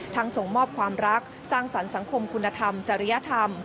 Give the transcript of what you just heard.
ส่งมอบความรักสร้างสรรค์สังคมคุณธรรมจริยธรรม